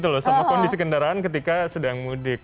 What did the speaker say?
dengan kondisi kendaraan ketika sedang mudik